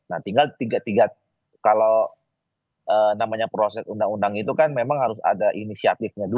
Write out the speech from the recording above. nah tinggal tiga kalau namanya proses undang undang itu kan memang harus ada inisiatifnya dulu